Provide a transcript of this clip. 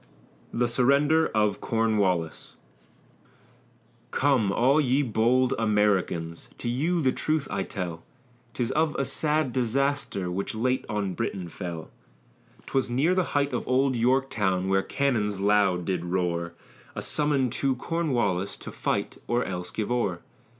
THE SURRENDER OF CORNWALLIS Come, all ye bold Americans, to you the truth I tell, 'Tis of a sad disaster, which late on Britain fell; 'Twas near the height of Old Yorktown, where the cannons loud did roar, A summons to Cornwallis, to fight or else give o'er.